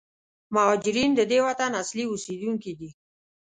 مهارجرین د دې وطن اصلي اوسېدونکي دي.